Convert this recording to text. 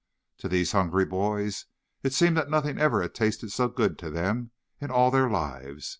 To these hungry boys it seemed that nothing ever had tasted so good to them in all their lives.